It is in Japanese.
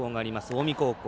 近江高校。